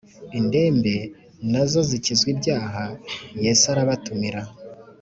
indembe, na zo zikizw’ ibyahayesarabatumira’